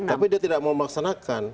tapi dia tidak memaksanakan